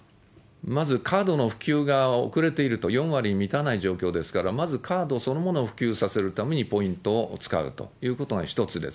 まずカードの普及が遅れていると、４割に満たない状況ですから、まずカードそのものを普及させるためにポイントを使うということが一つです。